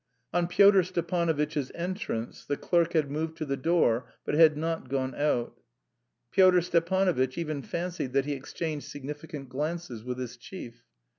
On Pyotr Stepanovitch's entrance the clerk had moved to the door, but had not gone out. Pyotr Stepanovitch even fancied that he exchanged significant glances with his chief.